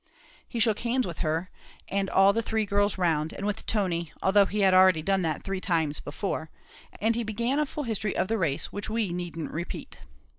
He shook hands with her, and all the three girls round, and with Tony although he had already done that three times before; and he began a full history of the race, which we needn't repeat.